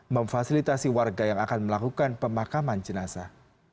memfasilitasi warga yang akan melakukan pemakaman jenazah